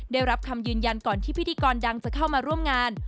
ได้รับคำยืนยันก่อนที่พิธีกรดังจะเข้ามาร่วมงาน